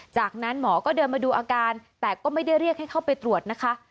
จากนั้นหมอก็เดินมาดูอาการแต่ก็ไม่ได้เรียกให้เข้าไปตรวจนะคะ